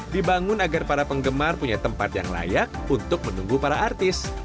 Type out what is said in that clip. dibangun agar para penggemar punya tempat yang layak untuk menunggu para artis